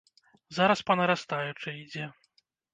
Зараз па нарастаючай ідзе.